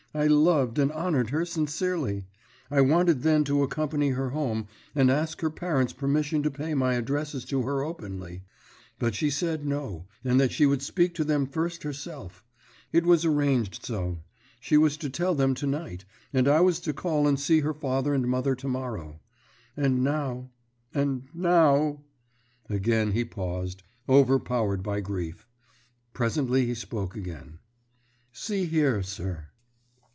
I loved and honoured her sincerely. I wanted then to accompany her home and ask her parents' permission to pay my addresses to her openly: but she said no, and that she would speak to them first herself. It was arranged so. She was to tell them to night, and I was to call and see her father and mother to morrow. And now and now " Again he paused, overpowered by grief. Presently he spoke again. "See here, sir."